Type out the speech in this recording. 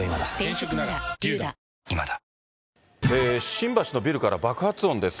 新橋のビルから爆発音です。